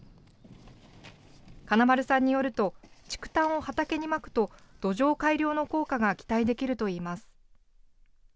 金丸さんによると、竹炭を畑にまくと、土壌改良の効果が期待できるといいます。